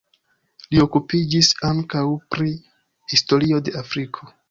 Li okupiĝis ankaŭ pri historio de Afriko.